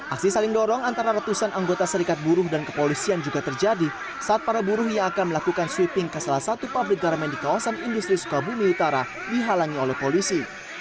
aksi saling dorong antara ratusan anggota serikat buruh dan kepolisian juga terjadi saat para buruh yang akan melakukan sweeping ke salah satu pabrik garamen di kawasan industri sukabumi utara dihalangi oleh polisi